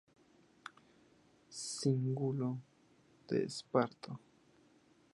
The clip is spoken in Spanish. Cíngulo de esparto.